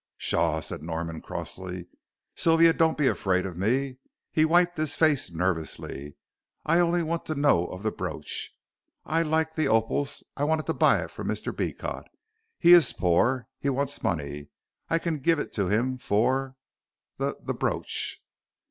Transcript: "Pshaw," said Norman, crossly, "Sylvia, don't be afraid of me." He wiped his face nervously. "I only want to know of the brooch. I like the opals I wanted to buy it from Mr. Beecot. He is poor he wants money. I can give it to him, for the the brooch."